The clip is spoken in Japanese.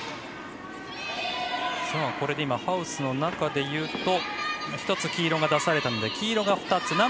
これでハウスの中で言うと１つ、黄色が出されたので黄色が２つ。